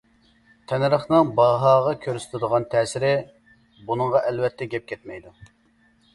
تەننەرخنىڭ باھاغا كۆرسىتىدىغان تەسىرى، بۇنىڭغا ئەلۋەتتە گەپ كەتمەيدۇ.